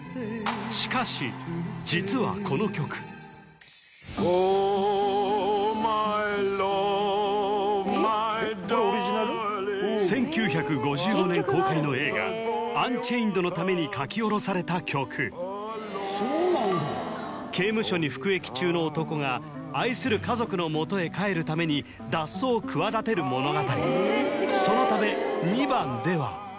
しかしＯｈ，ｍｙｌｏｖｅ１９５５年公開の映画「アンチェインド」のために書き下ろされた曲刑務所に服役中の男が愛する家族のもとへ帰るために脱走を企てる物語